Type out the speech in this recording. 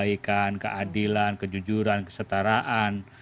ada prinsip prinsip kebaikan kejujuran kesetaraan